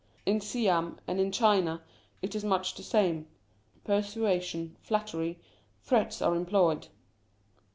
In Siam and in China it is much the same ; persuasion, flattery, threats are employed.